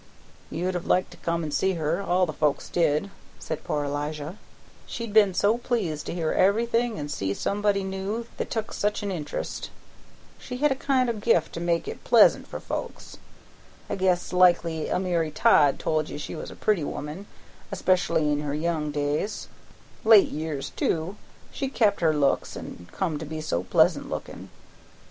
"You'd have liked to come and see her; all the folks did," said poor Elijah. "She'd been so pleased to hear everything and see somebody new that took such an int'rest. She had a kind o' gift to make it pleasant for folks. I guess likely Almiry Todd told you she was a pretty woman, especially in her young days; late years, too, she kep' her looks and come to be so pleasant lookin'.